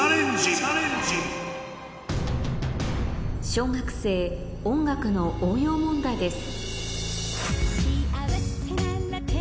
小学生音楽の応用問題です